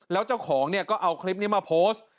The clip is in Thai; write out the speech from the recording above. แล้วเจ้าของเนี่ยก็เอาคลิปนี้มาโพสต์